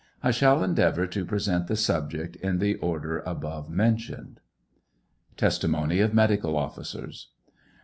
I shall endeavor to present the subject in the order above mentioned. TESTIMONY OF MEDICAL OFFICERS.